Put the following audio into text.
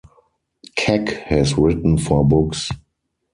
Keck has written four books.